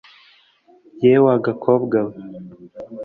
y e w a gakobwa w e,